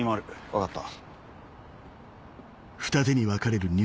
分かった。